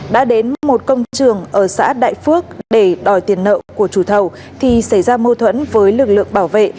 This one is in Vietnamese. đã đến một công trường ở xã đại phước để đòi tiền nợ của chủ thầu thì xảy ra mâu thuẫn với lực lượng bảo vệ